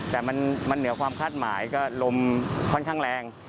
แต่มันเหนือความคาดหมายก็ลมค่อนข้างแรง